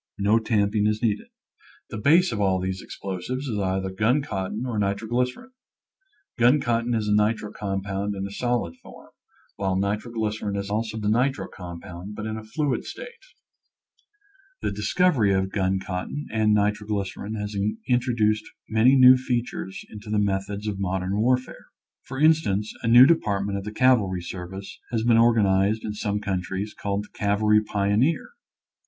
No tamping is needed. The base of all these explosives is either gun cotton or nitroglycerin. Gun cotton is a nitro ccmpound in a solid form, while nitro /]. Original from UNIVERSITY OF WISCONSIN 236 nature's Afracle*. glycerin is also a nitrocompound, but in a fluid state. The discovery of gun cotton and nitroglycerin has introduced many new fea tures into the methods of modern warfare. For instance, a new department of the cavalry service has been organized in some countries called the cavalry pioneer.